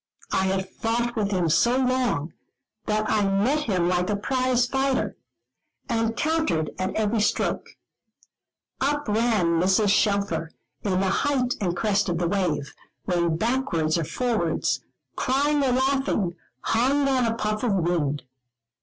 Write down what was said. I had fought with him so long, that I met him like a prize fighter, and countered at every stroke. Up ran Mrs. Shelfer, in the height and crest of the wave, when backwards or forwards, crying or laughing, hung on a puff of wind.